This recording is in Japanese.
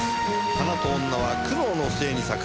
花と女は苦労の末に咲く。